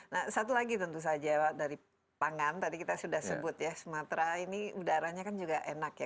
nah satu lagi tentu saja dari pangan tadi kita sudah sebut ya sumatera ini udaranya kan juga enak ya